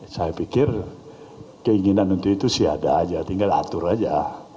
saya pikir keinginan untuk itu sih ada aja tinggal atur aja